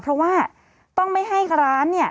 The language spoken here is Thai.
เพราะว่าต้องไม่ให้ร้านเนี่ย